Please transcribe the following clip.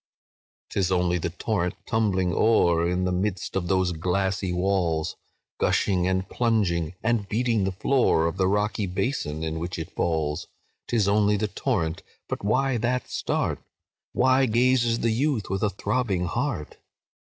"'Tis only the torrent tumbling o'er, In the midst of those glassy walls, Gushing, and plunging, and beating the floor Of the rocky basin in which it falls: 'Tis only the torrent—but why that start? Why gazes the youth with a throbbing heart?